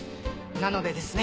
なのでですね